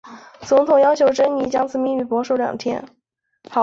总统要求珍妮将此秘密保守两天。